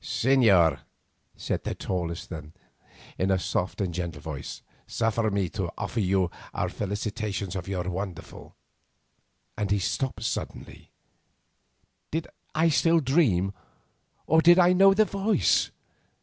"Señor," said the tallest of them in a soft and gentle voice, "suffer me to offer you our felicitations on your wonderful—" and he stopped suddenly. Did I still dream, or did I know the voice?